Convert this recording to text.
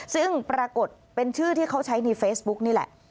ซึ่งปรากฏเป็นชื่อที่เขาใช้ในเฟซบุ๊กนี่แหละ